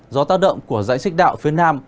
do tác động của dãy xích đạo phía nam